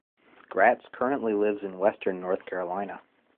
Gratz currently lives in western North Carolina.